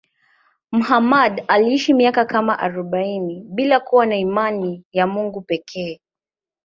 Muhammad aliishi miaka kama arobaini bila kuwa na imani ya Mungu pekee.